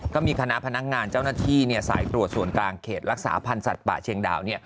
ก็มีคณะพนักงานเจ้าหน้าที่สายตรวจส่วนกลางเขตรักษาพันธ์สัตว์ป่าเชียงดาว